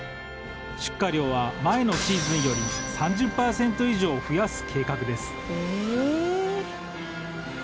出荷量は前のシーズンより３０％以上増やす計画です。